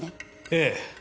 ええ。